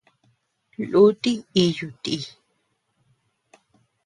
Lúti íyu ti.